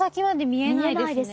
見えないですね。